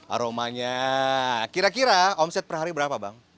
aromanya kira kira omset per hari berapa bang